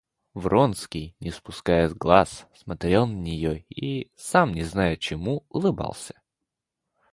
Вронский, не спуская глаз, смотрел на нее и, сам не зная чему, улыбался.